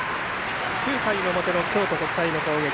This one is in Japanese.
９回の表の京都国際の攻撃